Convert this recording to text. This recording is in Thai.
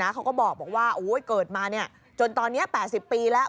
เขาก็บอกว่าเกิดมาจนตอนนี้๘๐ปีแล้ว